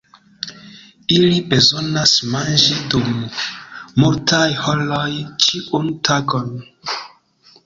Ili bezonas manĝi dum multaj horoj ĉiun tagon.